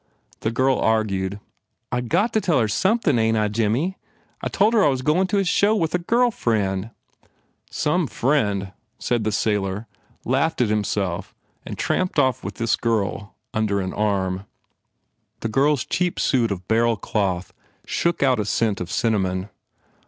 The girl argued, "I d got to tell her sump n, ain t I, Jimmy? I told her I was goin to a show with a gerl fren " "Some friend," said the sailor, laughed at himself and tramped off with his girl under an arm. The girl s cheap suit of beryl cloth shook out a scent of cinnamon.